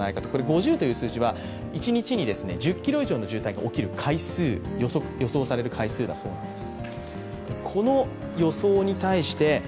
５０という数字は一日に１０ｋｍ以上の渋滞が起こる可能性予想される回数だそうです。